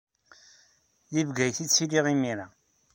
Deg Bgayet ay ttiliɣ imir-a.